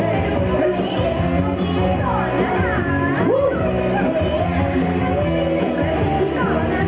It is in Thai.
หยุดมีท่าหยุดมีท่า